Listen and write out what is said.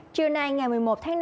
trưa nay ngày một mươi một tháng năm